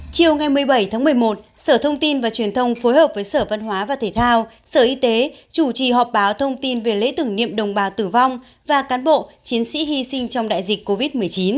chiều ngày một mươi bảy tháng một mươi một sở thông tin và truyền thông phối hợp với sở văn hóa và thể thao sở y tế chủ trì họp báo thông tin về lễ tưởng niệm đồng bào tử vong và cán bộ chiến sĩ hy sinh trong đại dịch covid một mươi chín